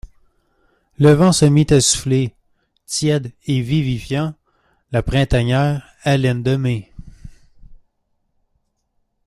Le vent se mit à souffler, tiède et vivifiant ; la printanière haleine de mai.